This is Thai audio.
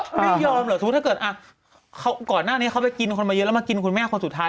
ไม่ยอมเหรอสมมุติถ้าเกิดก่อนหน้านี้เขาไปกินคนมาเยอะแล้วมากินคุณแม่คนสุดท้าย